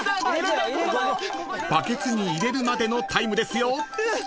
［バケツに入れるまでのタイムですよ］